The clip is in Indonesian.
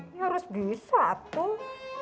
hmm harus bisa tuh